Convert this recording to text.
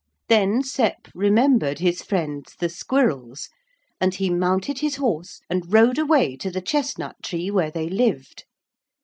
Then Sep remembered his friends the squirrels, and he mounted his horse and rode away to the chestnut tree where they lived.